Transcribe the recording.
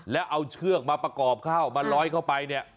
แล้วเอาเชือกมาประกอบเข้ามาล้อยเข้าไปเนี่ย